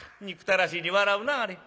憎たらしいに笑うなあれ。